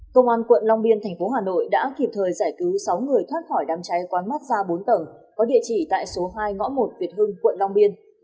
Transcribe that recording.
công an quận long biên tp hcm đã kịp thời giải cứu sáu người thoát khỏi đám cháy quán mắt ra bốn tầng có địa chỉ tại số hai ngõ một việt hưng quận long biên